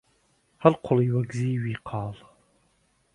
هەڵقوڵی وەک زیوی قاڵ